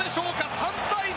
３対２。